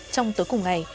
trong tối cùng ngày